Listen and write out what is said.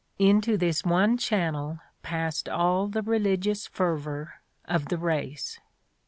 Into this one channel \ passed all the religious fervor of the race.